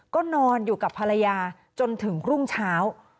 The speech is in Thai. ก็นอนอยู่กับภรรยาจนถึงรุ่งเช้า